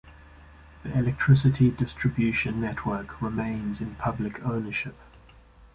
The electricity distribution network remains in public ownership.